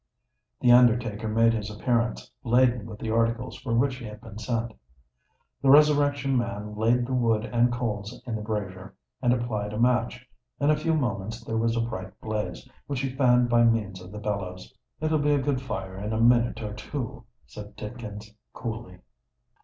The undertaker made his appearance, laden with the articles for which he had been sent. The Resurrection Man laid the wood and coals in the brazier, and applied a match. In a few moments there was a bright blaze, which he fanned by means of the bellows. "It'll be a good fire in a minute or two," said Tidkins, coolly.